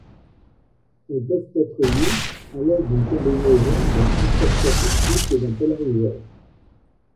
Elles peuvent être lues à l'aide d'une combinaison d'un microscope optique et d'un polariseur.